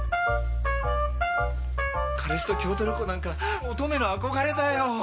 彼氏と京都旅行なんか乙女の憧れだよ。